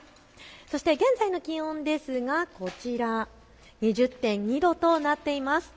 そして現在の気温ですが、こちら、２０．２度となっています。